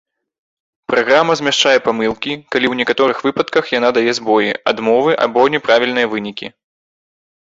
Праграма змяшчае памылкі, калі ў некаторых выпадках яна дае збоі, адмовы або няправільныя вынікі.